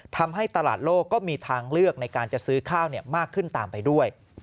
ทำให้ตลาดโลกก็มีทางเลือกในการจะซื้อข้าวมากขึ้นตามไปด้วย